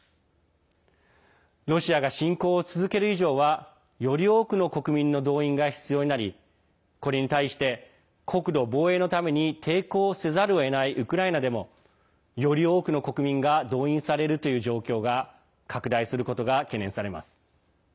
ロシアが侵攻を続ける以上はより多くの国民の動員が必要になりこれに対して国土防衛のために抵抗せざるをえないウクライナでもより多くの国民が動員されるという状況が拡大することが懸念されます。